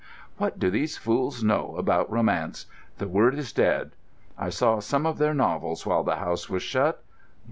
What do these fools know about Romance? The word is dead. I saw some of their novels while the house was shut.